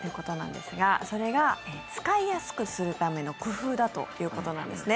それが、使いやすくするための工夫だということなんですね。